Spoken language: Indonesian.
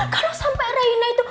kalau sampai reina itu